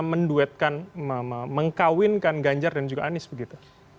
menduetkan mengkawinkan ganjar dan juga anies begitu